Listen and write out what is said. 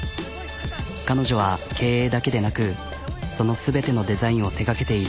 彼女は経営だけでなくその全てのデザインを手がけている。